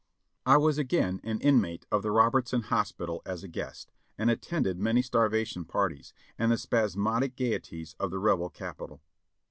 I was again an inmate of the Robertson Hospital as a guest, and attended many starvation parties, and the spasmodic gaieties of the Rebel Capital.